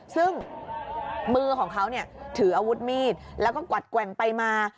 ซึ่งมือของเขาถืออาวุธมีดแล้วก็กวัดแกว่งไปมา